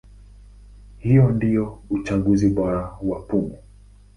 Hii ndio uchunguzi bora wa pumu.